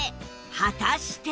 果たして